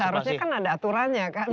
ya dan seharusnya kan ada aturannya kan